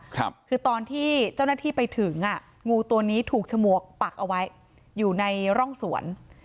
คือตอนที่เจ้าหน้าที่ไปถึงอ่ะงูตัวนี้ถูกฉมวกปักเอาไว้อยู่ในร่องสวน